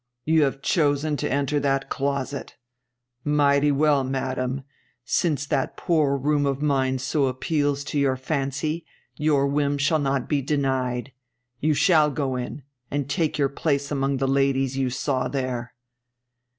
You have chosen to enter that closet. Mighty well, madam; since that poor room of mine so appeals to your fancy, your whim shall not be denied. You shall go in, and take your place among the ladies you saw there!'